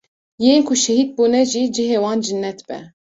yên ku şehîd bûne jî cihê wan cinet be.